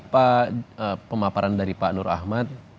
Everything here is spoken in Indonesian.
pak pemaparan dari pak nur ahmad